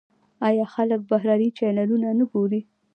آیا خلک بهرني چینلونه نه ګوري؟